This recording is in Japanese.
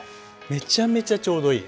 めちゃめちゃちょうどいい。